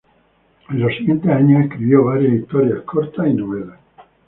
En los siguientes años escribió varias historias cortas y novelas.